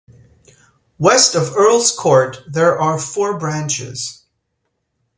West of Earl's Court, there are four branches.